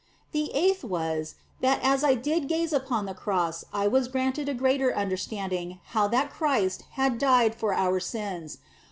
The eighth was, that as I did gaze upon the Cross I was granted a greater understanding how that Christ had died for our sins.